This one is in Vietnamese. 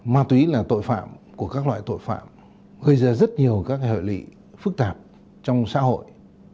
ma túy là tội phạm của các loại tội phạm gây ra rất nhiều các hệ lụy phức tạp trong xã hội